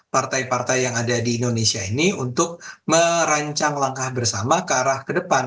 partai partai yang ada di indonesia ini untuk merancang langkah bersama ke arah ke depan